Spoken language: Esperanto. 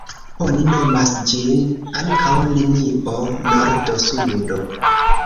Oni nomas ĝin ankaŭ linio nordo-sudo.